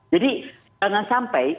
jadi dengan sampai